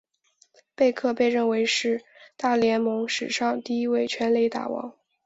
贝克被认为是大联盟史上第一位全垒打王。